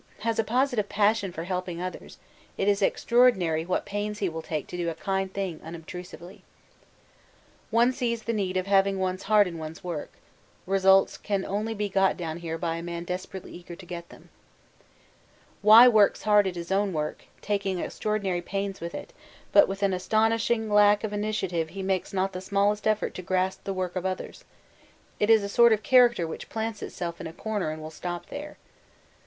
has a positive passion for helping others it is extraordinary what pains he will take to do a kind thing unobtrusively. 'One sees the need of having one's heart in one's work. Results can only be got down here by a man desperately eager to get them. 'Y.... works hard at his own work, taking extraordinary pains with it, but with an astonishing lack of initiative he makes not the smallest effort to grasp the work of others; it is a sort of character which plants itself in a corner and will stop there.